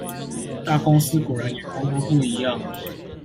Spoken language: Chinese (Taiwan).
大公司果然眼光都不一樣啊！